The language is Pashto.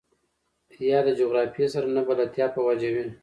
يا د جغرافيې سره نه بلدتيا په وجه وي.